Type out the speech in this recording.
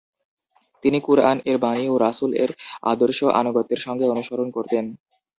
তিনি কুরআন-এর বাণী ও রাসুল-এর আদর্শ আনুগত্যের সঙ্গে অনুসরণ করতেন।